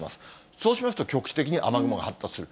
そうしますと局地的に雨雲が発達する。